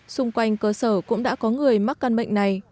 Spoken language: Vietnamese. xung quanh cơ sở cũng đã có người mắc căn bệnh này